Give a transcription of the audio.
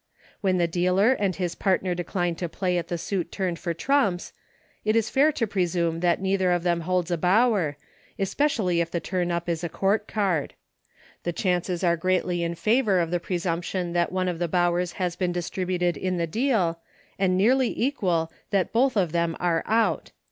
When the dealer and his part ner decline to play at the suit turned for trumps, it is fair to presume that neither of them holds a Bower — especially if the turn up is a court card. The chances are greatly in favor of the presumption that one of the Bowers has been distributed in the deal, and nearly equal that both of them are out.